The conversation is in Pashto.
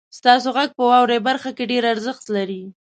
ستاسو غږ په واورئ برخه کې ډیر ارزښت لري.